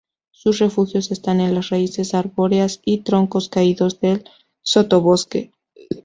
Sus refugios están en las raíces arbóreas y troncos caídos del sotobosque.